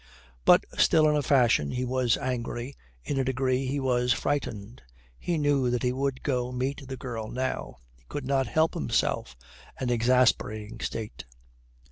But still in a fashion he was angry, in a degree he was frightened. He knew that he would go meet the girl now; he could not help himself an exasperating state.